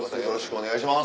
お願いします